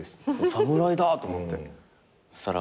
侍だ！と思ってそしたら。